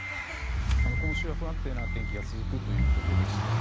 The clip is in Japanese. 今週は不安定な天気が続くということでしたが